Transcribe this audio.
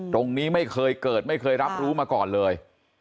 ไม่เคยเกิดไม่เคยรับรู้มาก่อนเลย